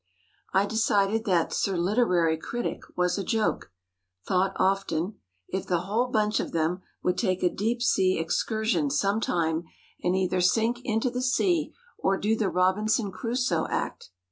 I decided that Sir Literary Critic was a joke. Thought often: "'If the whole bunch of them would take a deepsea excursion some time and either sink into the sea or do the Robinson Crusoe act!